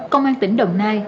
công an tỉnh đồng nai